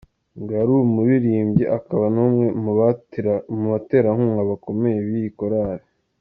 Ngo yari umuririmbyi akaba n’umwe mu baterankunga bakomeye b’iyi korali.